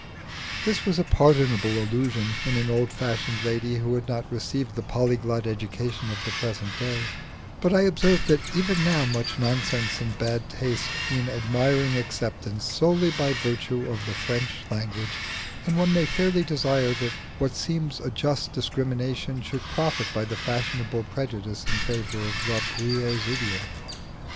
This was a pardonable illusion in an old fashioned lady who had not received the polyglot education of the present day; but I observe that even now much nonsense and bad taste win admiring acceptance solely by virtue of the French language, and one may fairly desire that what seems a just discrimination should profit by the fashionable prejudice in favour of La Bruyère's idiom.